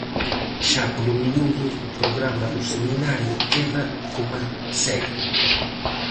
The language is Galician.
Xa polo miúdo o programa do seminario queda coma segue: